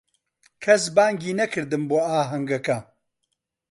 کەس بانگی نەکردم بۆ ئاهەنگەکە.